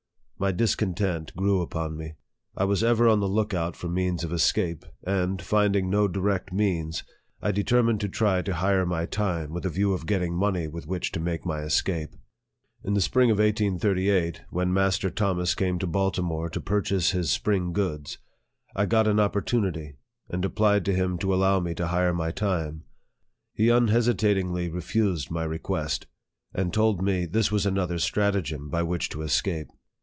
My discon tent grew upon me. I was ever on the look out for means of escape ; and, finding no direct means, I de termined to try to hire my time, with a view of getting money with which to make my escape. In the spring of 1838, when Master Thomas came to Balti more to purchase his spring goods, I got an opporta LIFE OF FREDERICK DOUGLASS. 103 nity, and applied to him to allow me to hire my time. He unhesitatingly refused my request, and told me this was another stratagem by which to escape.